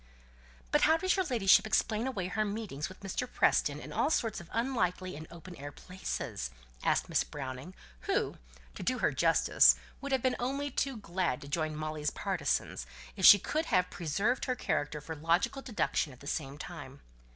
"But how does your ladyship explain away her meetings with Mr. Preston in all sorts of unlikely and open air places?" asked Miss Browning, who, to do her justice, would have been only too glad to join Molly's partisans, if she could have preserved her character for logical deduction at the same time.